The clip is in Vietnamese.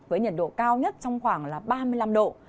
với nhiệt độ cao nhất trong khoảng ba mươi năm độ